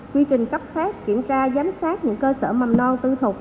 quy trình cấp phát kiểm tra giám sát những cơ sở mầm non tư thuộc